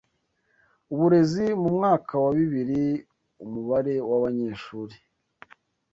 uburezi Mu mwaka wa bibiri umubare w’abanyeshuri